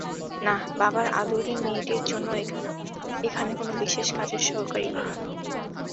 নাহ, বাবার আদুরে মেয়েটির জন্য এখানে কোনো বিশেষ কাজের সহকারী নেই।